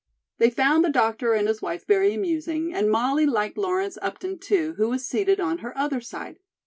They found the doctor and his wife very amusing, and Molly liked Lawrence Upton, too, who was seated on her other side.